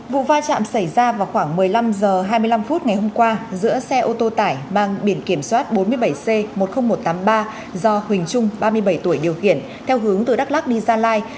vụ va chạm xảy ra vào khoảng một mươi năm h hai mươi năm ngày hôm qua giữa xe ô tô tải mang biển kiểm soát bốn mươi bảy c một mươi nghìn một trăm tám mươi ba do huỳnh trung ba mươi bảy tuổi điều khiển theo hướng từ đắk lắc đi gia lai